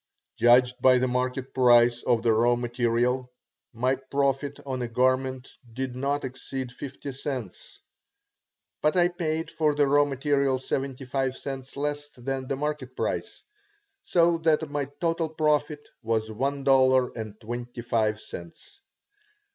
Judged by the market price of the raw material, my profit on a garment did not exceed fifty cents. But I paid for the raw material seventy five cents less than the market price, so that my total profit was one dollar and twenty five cents.